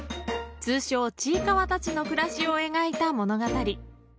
通称「ちいかわ」たちの暮らしを描いた物語。